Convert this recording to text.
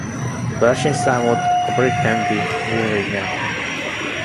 A versenyszámot a brit Andy Murray nyerte.